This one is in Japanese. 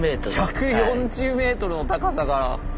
１４０ｍの高さから。